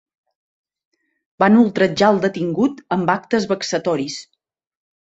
Van ultratjar el detingut amb actes vexatoris.